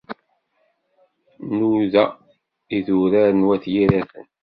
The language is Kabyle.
Nnuda idurar n wat Yiraten.